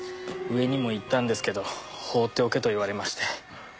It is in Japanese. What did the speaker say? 上にも言ったんですけど放っておけと言われまして。